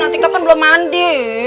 atika kan belum mandi